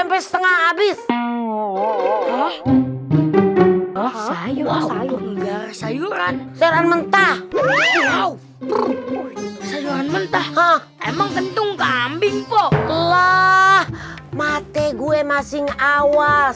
mp lima habis sayuran sayuran mentah mentah emang ketung kambing poh lah mate gue masing awas